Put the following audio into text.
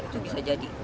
itu bisa jadi